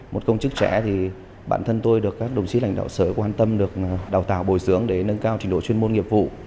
một công chức trẻ thì bản thân tôi được các đồng chí lãnh đạo sở quan tâm được đào tạo bồi dưỡng để nâng cao trình độ chuyên môn nghiệp vụ